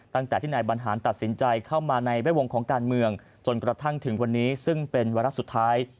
ตั้งแต่ที่นายบรรหารตัดสินใจเข้ามาในแวดวงของการเมืองจนกระทั่งถึงวันนี้ซึ่งเป็นวาระสุดท้าย